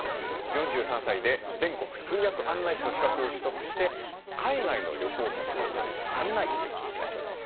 ４３歳で全国通訳案内士の資格を取得して海外の旅行客を案内していらっしゃるそうなんですね。